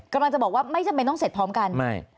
กำลังจะบอกว่าไม่จำเป็นต้องเสร็จพร้อมกันไม่